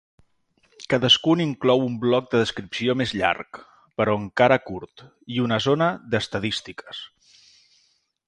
Cadascun inclou un bloc de descripció més llarg, però encara curt, i una zona d'estadístiques.